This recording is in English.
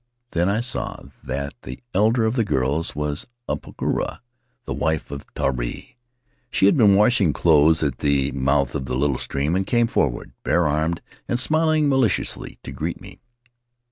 Then I saw that the elder of the girls was Apakura, the wife of Tari. She had been washing clothes at the Faery Lands of the South Seas mouth of a little stream and came forward, bare armed and smiling maliciously, to greet me.